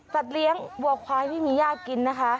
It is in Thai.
สัตว์เลี้ยงวัวควายไม่มียากกินนะคะ